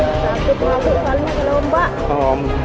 takut takut soalnya kalau ombak